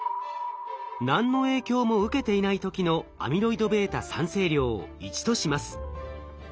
何の影響も受けていない時のアミロイドβ産生量を１とします。